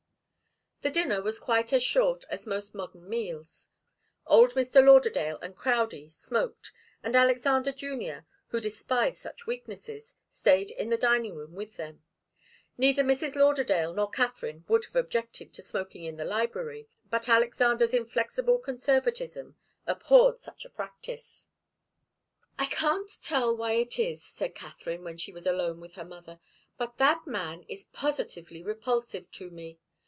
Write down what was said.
The dinner was quite as short as most modern meals. Old Mr. Lauderdale and Crowdie smoked, and Alexander Junior, who despised such weaknesses, stayed in the dining room with them. Neither Mrs. Lauderdale nor Katharine would have objected to smoking in the library, but Alexander's inflexible conservatism abhorred such a practice. "I can't tell why it is," said Katharine, when she was alone with her mother, "but that man is positively repulsive to me.